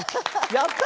やった！